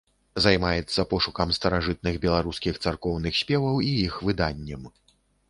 Займаецца пошукам старажытных беларускіх царкоўных спеваў і іх выданнем.